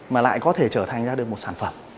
mà lại có thể trở thành ra được một sản phẩm